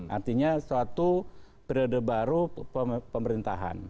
artinya suatu periode baru pemerintahan